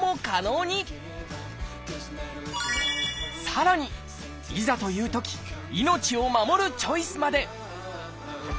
さらにいざというとき命を守るチョイスまで！